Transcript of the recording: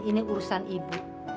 ini urusan ibu